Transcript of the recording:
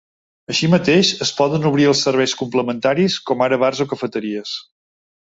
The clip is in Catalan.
Així mateix, es poden obrir els serveis complementaris com ara bars o cafeteries.